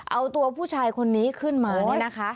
เอาตัวผู้ชายคนนี้ขึ้นมาเนี่ยนะคะ